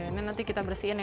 ini nanti kita bersihin ya